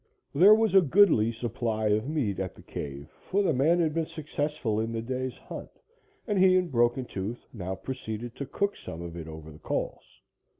There was a goodly supply of meat at the cave, for the man had been successful in the day's hunt, and he and Broken Tooth now proceeded to cook some of it over the coals.